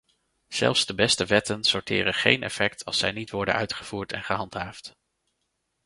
Zelfs de beste wetten sorteren geen effect als zij niet worden uitgevoerd en gehandhaafd.